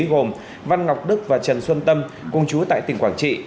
gồm văn ngọc đức và trần xuân tâm cùng chú tại tỉnh quảng trị